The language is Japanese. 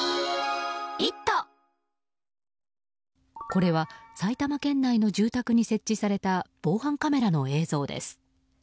これは埼玉県内の住宅に設置された防犯カメラの映像です。